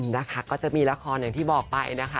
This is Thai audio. นะคะก็จะมีละครอย่างที่บอกไปนะคะ